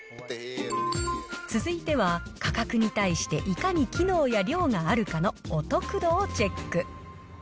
続いては価格に対していかに機能や量があるかのお得度をチェック。